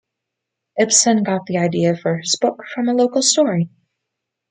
Ibsen got the idea for this book from a local story.